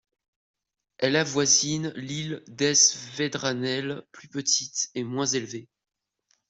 Elle avoisine l'île d'Es Vedranell plus petite et moins élevée.